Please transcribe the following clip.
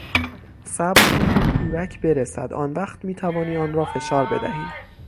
صبر کن تا کورک برسد، آنوقت میتوانی آن را فشار بدهی.